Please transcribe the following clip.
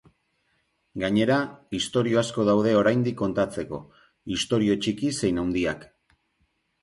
Gainera, istorio asko daude oraindik kontatzeko, istorio txiki zein handiak.